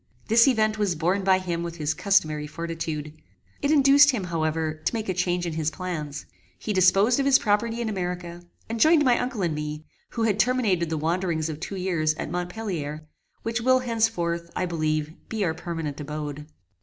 This event was borne by him with his customary fortitude. It induced him, however, to make a change in his plans. He disposed of his property in America, and joined my uncle and me, who had terminated the wanderings of two years at Montpellier, which will henceforth, I believe, be our permanent abode.